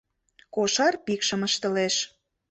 Кошар пикшым ышталеш;